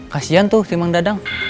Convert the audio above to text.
kasian tuh si mang dadang